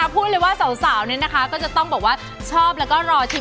พูดเลยว่าสาวซาวจะต้องชอบแล้วก็รอชม